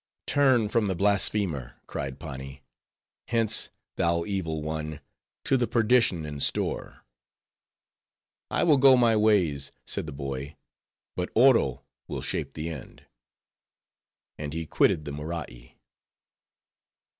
"Turn from the blasphemer," cried Pani. "Hence! thou evil one, to the perdition in store." "I will go my ways," said the boy, "but Oro will shape the end." And he quitted the Morai.